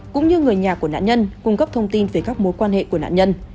cũng như người nhà của nạn nhân cung cấp thông tin về các mối quan hệ của nạn nhân